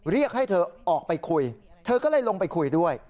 เรียกให้เธอออกไปคุยเธอก็เลยลงไปคุยด้วย